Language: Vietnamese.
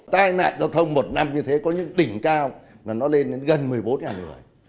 tai nạn giao thông một năm như thế có những đỉnh cao là nó lên đến gần một mươi bốn người